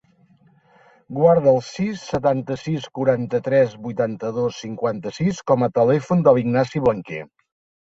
Guarda el sis, setanta-sis, quaranta-tres, vuitanta-dos, cinquanta-sis com a telèfon de l'Ignasi Blanquer.